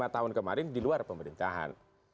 lima tahun kemarin di luar pemerintahan